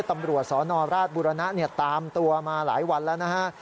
ตำรวจสนราชบุรณะตามตัวมาหลายวันแล้วนะฮะ